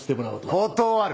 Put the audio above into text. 断る！